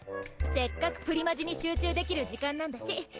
せっかくプリマジに集中できる時間なんだし。